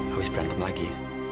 habis berantem lagi